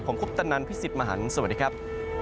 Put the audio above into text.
ผมคุปตะนันพี่สิทธิ์มหันฯสวัสดีครับ